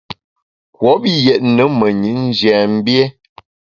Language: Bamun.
Kouop yètne menyit njiamgbié.